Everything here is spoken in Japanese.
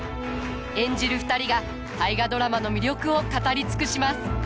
演じる２人が「大河ドラマ」の魅力を語り尽くします。